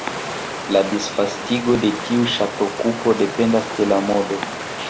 Disvastigo de tiu ŝatokupo dependas de la modo.